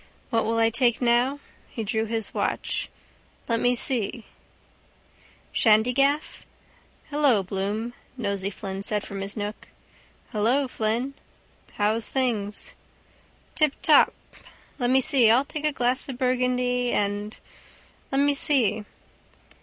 What will I take now? He drew his watch. Let me see now. Shandygaff? —Hello, Bloom, Nosey Flynn said from his nook. —Hello, Flynn. —How's things? —Tiptop... Let me see. I'll take a glass of burgundy and... let me see.